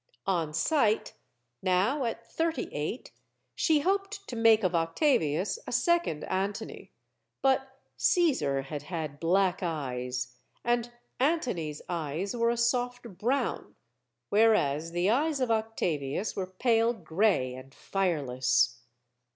On sight, now, at thirty eight, she hoped to make of Octavius a second Antony. But Caesar had had black eyes, and Antony's eyes were a soft brown; whereas the eyes of Octavius were pale gray and fire less.